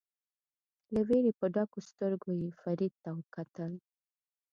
له وېرې په ډکو سترګو یې فرید ته وکتل.